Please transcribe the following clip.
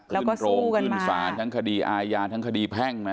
แล้วก็สู้กันมาขึ้นโรงขึ้นศาลทั้งคดีอายาทั้งคดีแพ่งนะ